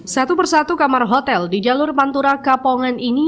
satu persatu kamar hotel di jalur pantura kapongan ini